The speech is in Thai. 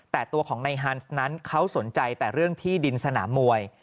แต่ตัวของนายฮันส์นั้นเขาสนใจแต่เรื่องที่ดินสนามมวย